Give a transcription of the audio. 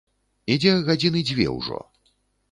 Ідзе гадзіны дзве ўжо.